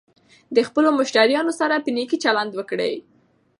د خپلو مشتریانو سره په نېکۍ چلند وکړئ.